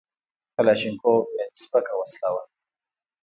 کلاشینکوف یعنې سپکه وسله وه